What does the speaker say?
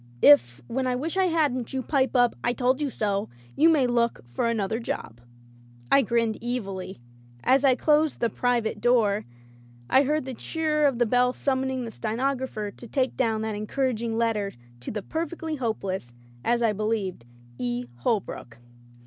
... If, when I wish I hadn't, you pipe up, ' I told you so,' you may look for another job." I grinned evilly. As I closed the "Private" door, I heard the chirr of the bell summoning the stenographer to take down that encour aging letter to the perfectly hopeless — as I believed— "E. Holbrook."